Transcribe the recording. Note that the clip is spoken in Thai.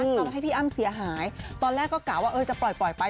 ตอนให้พี่อ้ำเสียหายตอนแรกก็กล่าวว่าเออจะปล่อยไป